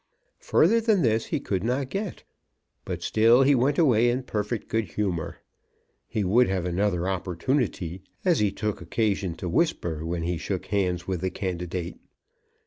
Further than this he could not get; but still he went away in perfect good humour. He would have another opportunity, as he took occasion to whisper when he shook hands with the candidate.